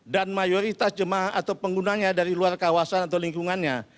dan mayoritas jemaah atau penggunanya dari luar kawasan atau lingkungannya